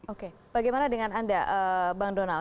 oke bagaimana dengan anda bang donald